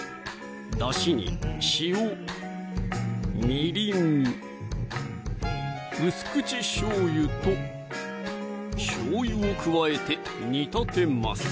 だしに塩・みりん・薄口しょうゆとしょうゆを加えて煮立てます